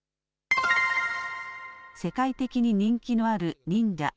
世界的に人気のある忍者。